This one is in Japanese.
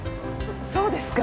そうですか？